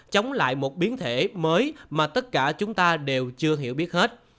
chống lại một biến thể mới mà tất cả chúng ta đều chưa hiểu biết hết